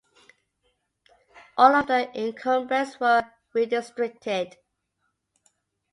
All of the incumbents were redistricted.